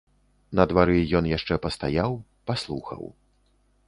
На двары ён яшчэ пастаяў, паслухаў.